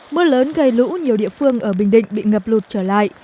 mưa lớn gây lũ nhiều địa phương ở bình định bị ngập lụt trở lại